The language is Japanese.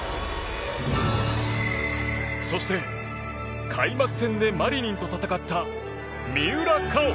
そして、開幕戦でマリニンと戦った三浦佳生。